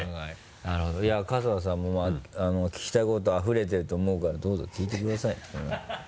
なるほどいや春日さんも聞きたいことあふれてると思うからどうぞ聞いてください。